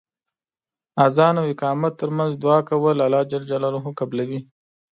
اذان او اقامت تر منځ دعا کول الله ج قبلوی .